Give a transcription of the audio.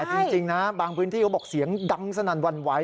แต่จริงนะบางพื้นที่เขาบอกเสียงดังสนั่นหวั่นไหว